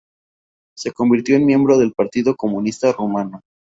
Se convirtió en miembro del Partido Comunista Rumano.